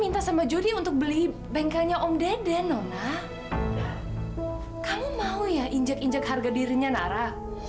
nona kamu dengar ya